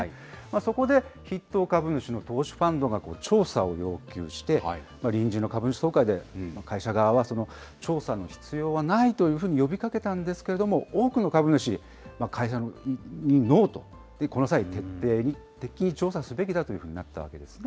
そこで筆頭株主の投資ファンドが調査を要求して、臨時の株主総会で、会社側は調査の必要はないというふうに呼びかけたんですけれども、多くの株主、会社にノーと、この際徹底的に調査すべきだとなったわけですね。